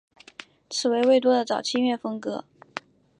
此为魏多的早期音乐风格。